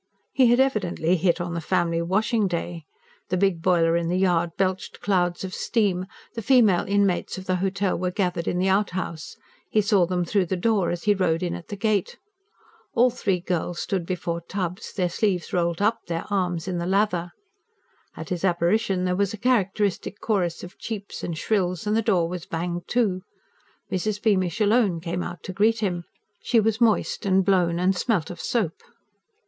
He had evidently hit on the family washing day. The big boiler in the yard belched clouds of steam; the female inmates of the Hotel were gathered in the out house: he saw them through the door as he rode in at the gate. All three girls stood before tubs, their sleeves rolled up, their arms in the lather. At his apparition there was a characteristic chorus of cheeps and shrills and the door was banged to. Mrs. Beamish alone came out to greet him. She was moist and blown, and smelt of soap.